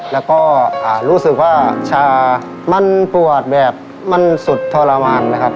แล้วก็รู้สึกว่าชามันปวดแบบมันสุดทรมานนะครับ